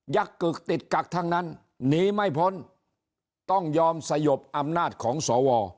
ักกึกติดกักทั้งนั้นหนีไม่พ้นต้องยอมสยบอำนาจของสว